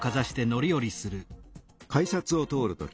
改札を通るとき